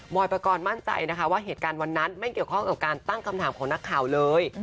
ประกอบมั่นใจนะคะว่าเหตุการณ์วันนั้นไม่เกี่ยวข้องกับการตั้งคำถามของนักข่าวเลย